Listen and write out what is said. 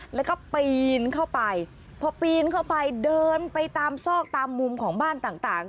แล้วก็ปีนเข้าไปพอปีนเข้าไปเดินไปตามซอกตามมุมของบ้านต่าง